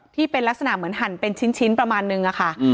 ที่เป็นลักษณะเหมือนหั่นเป็นชิ้นประมาณนึงอะค่ะ